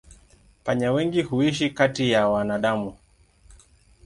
Panya wengi huishi kati ya wanadamu.